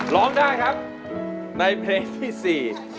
ร้องได้ครับในเพลงที่สี่